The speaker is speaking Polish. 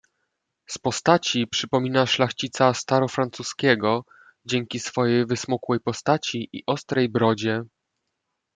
"Z postaci przypomina szlachcica starofrancuskiego, dzięki swojej wysmukłej postaci i ostrej brodzie."